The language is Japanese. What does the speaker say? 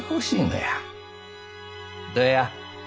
どや？